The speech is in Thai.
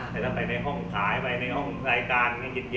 แต่ถ้าไปในห้องขายในห้องรายการยินก็ได้